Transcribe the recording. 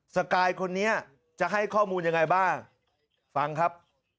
สกายคนนี้จะให้ข้อมูลยังไงบ้างฟังครับ